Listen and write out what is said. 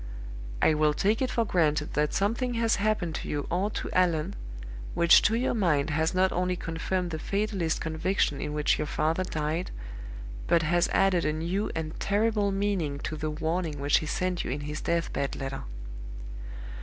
I will take it for granted that something has happened to you or to Allan which to your mind has not only confirmed the fatalist conviction in which your father died, but has added a new and terrible meaning to the warning which he sent you in his death bed letter.